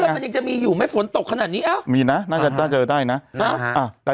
มันยังจะมีอยู่ไหมฝนตกขนาดนี้อ้าวมีนะน่าจะเจอได้นะ